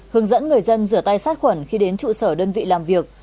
hướng dẫn người dân rửa tay sát khuẩn khi đến trụ sở đơn vị làm việc